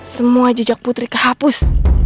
semua jejak putri kehapus